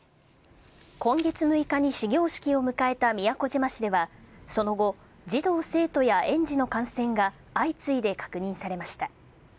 今月６日に始業式を迎えた宮古島市では、その後、児童・生徒や園児の感染が相次いで確認されました。